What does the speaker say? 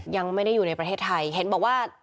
ยังไม่ได้อยู่ในประเทศไทยเห็นบอกว่า